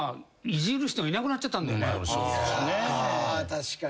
確かに。